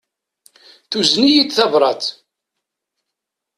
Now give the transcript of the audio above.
Tuzen-iyi-d tabrat.